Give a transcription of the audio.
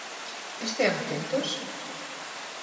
Estean atentos.